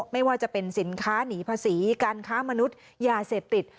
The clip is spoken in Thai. ไม่ว่าจะเป็นสินค้าหนีภาษีการค้ามนุษย์ยาเสพติด